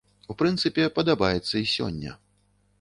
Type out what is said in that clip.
У прынцыпе, падабаецца і сёння.